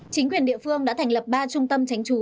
chính quyền địa phương đã thành lập ba trung tâm tránh trú